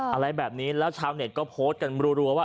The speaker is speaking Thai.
อะไรแบบนี้แล้วชาวเน็ตก็โพสต์กันรัวว่า